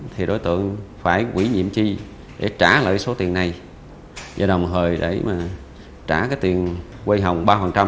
thì đối tượng phải quỹ nhiệm chi để trả lại số tiền này và đồng hời để trả cái tiền quay hồng ba